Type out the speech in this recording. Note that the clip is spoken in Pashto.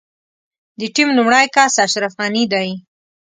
د ټيم لومړی کس اشرف غني دی.